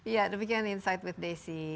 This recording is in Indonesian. ya demikian insight with desi